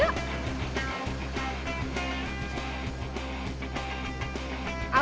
terima kasih tante